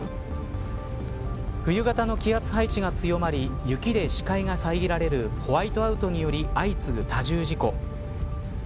冬型の気圧配置が強まり雪で視界が遮られるホワイトアウトにより相次ぐ多重事故。